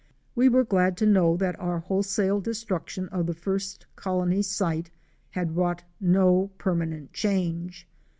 We were glad to know that our wholesale destruction of the first colony site had wrought no permanent change.